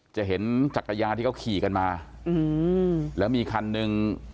จะเห็นจักรยานที่เขาขี่กันมาอืมแล้วมีคันหนึ่ง